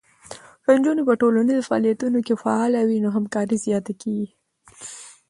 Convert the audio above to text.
که نجونې په ټولنیزو فعالیتونو کې فعاله وي، نو همکاری زیاته کېږي.